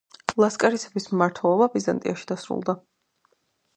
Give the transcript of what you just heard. ლასკარისების მმართველობა ბიზანტიაში დასრულდა.